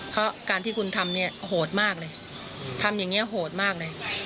เพราะการที่คุณทำเนี่ยโหดมากเลยทำอย่างนี้โหดมากเลย